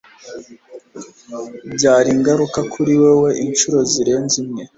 byari ingirakamaro kuri wewe inshuro zirenze imwe